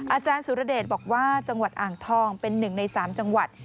อาจารย์สุรเดชบอกว่าจังหวัดอ่างทองเป็นหนึ่งใน๓จังหวัด